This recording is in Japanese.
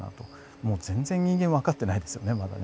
もう全然人間わかっていないですよねまだね。